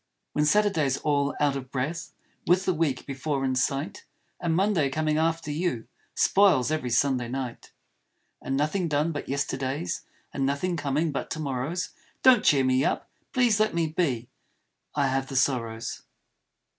When Saturday's all out of breath With all the week before in sight; And Monday coming after you Spoils every Sunday night! And Nothing done but yesterdays; And Nothing coming but to morrows! Don't cheer me up. Please let me be. I have the Sorrows.